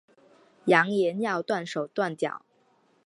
扬言要断手断脚